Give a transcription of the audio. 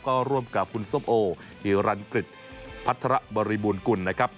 ก็ร่วมกับคุณส้มโอฮิรันกฤษพัฒระบริบูรณกุลนะครับ